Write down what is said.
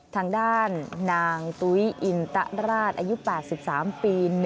ทางด้านนางตุ๊ยอินตราชอายุ๘๓ปี